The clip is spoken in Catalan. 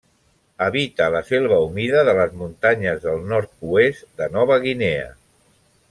Habita la selva humida de les muntanyes del nord-oest de Nova Guinea.